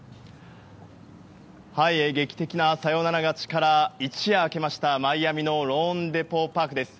劇的なサヨナラ勝ちから一夜明けましたマイアミのローンデポ・パークです。